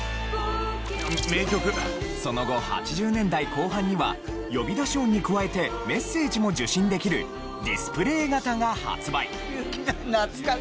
その後８０年代後半には呼び出し音に加えてメッセージも受信できるディスプレイ型が発売。